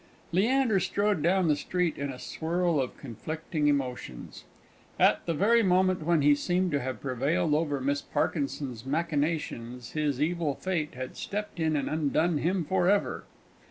_ Leander strode down the street in a whirl of conflicting emotions. At the very moment when he seemed to have prevailed over Miss Parkinson's machinations, his evil fate had stepped in and undone him for ever!